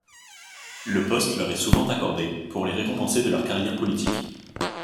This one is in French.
Le poste leur est souvent accordé pour les récompenser de leur carrière politique.